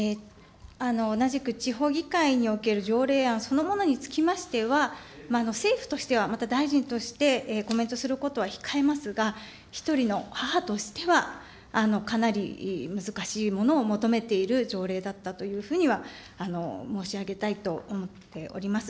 同じく地方議会における条例案そのものにつきましては、政府としては、また大臣としてコメントすることは控えますが、一人の母としては、かなり難しいものを求めている条例だったというふうには申し上げたいと思っております。